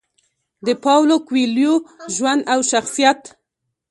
د پاولو کویلیو ژوند او شخصیت: